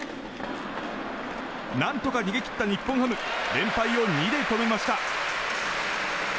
何とか逃げ切った日本ハム連敗を２で止めました。